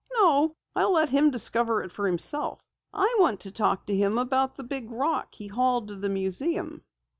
"No, I'll let him discover it for himself. I want to talk to him about that big rock he hauled to the museum."